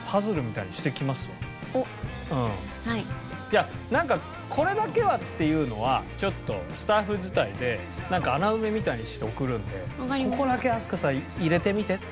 じゃあなんかこれだけはっていうのはちょっとスタッフ伝いでなんか穴埋めみたいにして送るんでここだけ飛鳥さん入れてみてっていう。